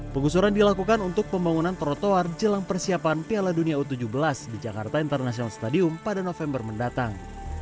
penggusuran dilakukan untuk pembangunan trotoar jelang persiapan piala dunia u tujuh belas di jakarta international stadium pada november mendatang